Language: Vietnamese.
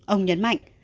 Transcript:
ông nhấn mạnh